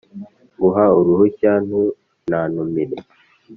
Nguha uruhushya ntunantumire